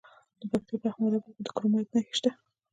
د پکتیا په احمد اباد کې د کرومایټ نښې شته.